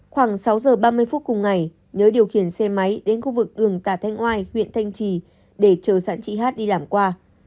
khoảng sáu giờ ba mươi phút cùng ngày nhớ điều khiển xe máy đến khu vực đường tà thanh oai huyện thanh trì để chờ sẵn chị hát đi làm qua